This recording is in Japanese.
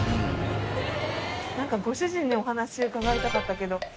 何かご主人にお話伺いたかったけど。